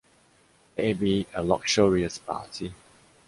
Let it be a luxurious party